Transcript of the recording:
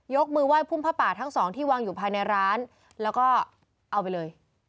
มือไห้พุ่มผ้าป่าทั้งสองที่วางอยู่ภายในร้านแล้วก็เอาไปเลย